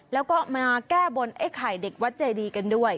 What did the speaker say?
แล้วก็มาแก้บนไอ้ไข่เด็กวัดเจดีกันด้วย